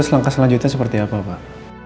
langkah selanjutnya seperti apa pak